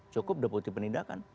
cukup deputi penindakan